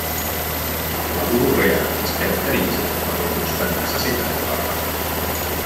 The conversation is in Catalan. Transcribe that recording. La logorrea es caracteritza per la constant necessitat de parlar.